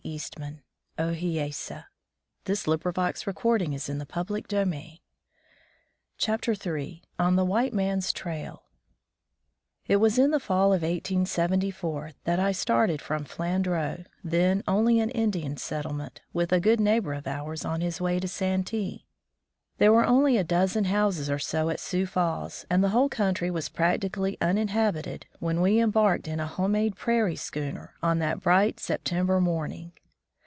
just been placed in military command of the Dakota Territory. SO m ON THE WHITE MAN'S TRAIL TT was in the fall of 1874 that I started ^ from Flandreau, then only an Indian settlement, with a good neighbor of ours on his way to Santee. There were only a dozen houses or so at Sioux Falls, and the whole country was practically uninhabited, when we embarked in a home made prairie schooner, on that bright September morning.